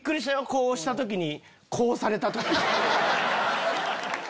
こうした時にこうされた時。